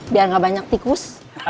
biar gak banyak tikus